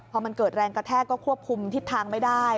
พอมันเกิดแรงกระแทกก็ควบคุมทิศทางไม่ได้